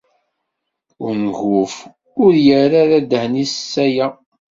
Unguf ur irri ara ddehn-is s aya.